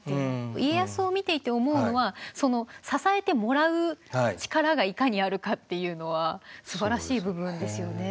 家康を見ていて思うのは支えてもらう力がいかにあるかっていうのはすばらしい部分ですよね。